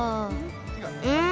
うん？